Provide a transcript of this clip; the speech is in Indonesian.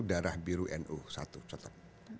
darah biru nu satu contoh